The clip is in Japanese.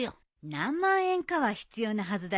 何万円かは必要なはずだよ。